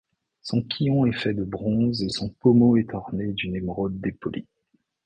Son quillon est fait de bronze et son pommeau est orné d'une émeraude dépolie.